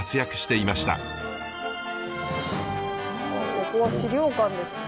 ここは資料館ですね。